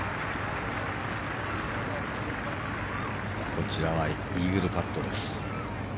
こちらはイーグルパットです。